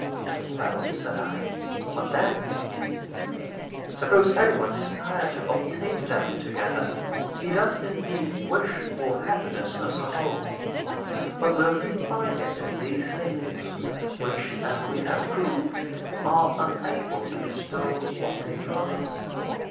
'Well,' said I, 'what then?' 'Suppose anyone desire to obtain them together, he does indeed wish for happiness as a whole; but will he find it in these things which, as we have proved, are unable to bestow what they promise?'